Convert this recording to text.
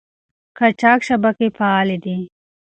قاچاق شبکې فعالې دي.